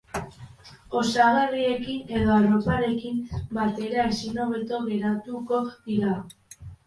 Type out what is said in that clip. Osagarriekin edo arroparekin batera ezinhobeto geratuko dira.